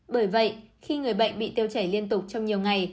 bởi vậy khi người bệnh bị tiêu chảy liên tục trong nhiều ngày